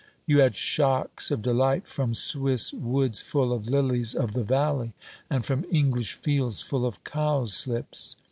You had shocks of delight from Swiss woods full of lilies of the valley, and from English fields full of cowslips.